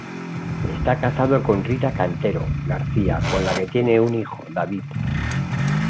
Está casado con Rita Cantero García con la que tiene un hijo, David.